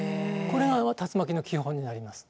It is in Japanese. これが竜巻の基本になります。